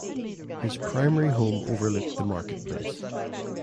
His primary home overlooked the market place.